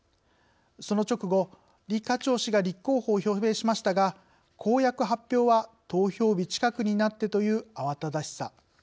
その直後李家超氏が立候補を表明しましたが公約発表は投票日近くになってという慌ただしさ。